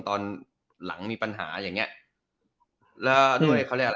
ตอนหลังมีปัญหาอย่างเงี้ยแล้วด้วยเขาเรียกอะไร